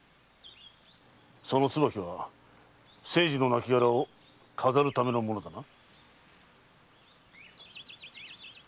その椿は清次の亡骸を飾るためのものだな？